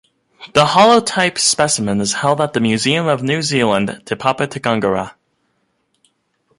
The holotype specimen is held at the Museum of New Zealand Te Papa Tongarewa.